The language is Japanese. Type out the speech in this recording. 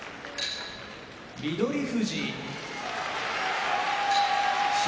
翠富士静岡県出身